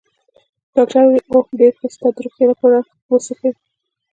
ډاکټر وویل: اوه، ډېر ښه، ستا د روغتیا لپاره، و څښئ.